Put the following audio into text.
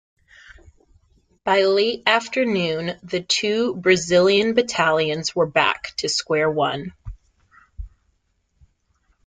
By late afternoon, the two Brazilian battalions were back to square one.